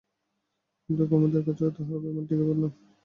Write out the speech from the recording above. কিন্তু কুমুদের কাছে তাহার অভিমান টিকিবার নয়।